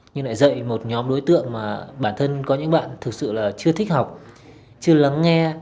nhưng lại dạy một nhóm đối tượng mà bản thân có những bạn thực sự là chưa thích học chưa lắng nghe